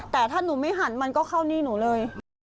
แต่ถ้าหนูไม่หันมันก็เข้านี่หนูเลย